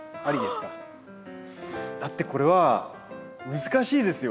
だってこれは難しいですよ。